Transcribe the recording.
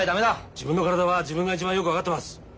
自分の体は自分が一番よく分かってます。